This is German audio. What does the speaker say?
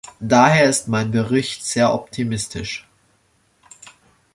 Daher ist mein Bericht sehr optimistisch.